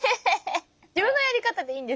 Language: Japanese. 自分のやり方でいいんですよね？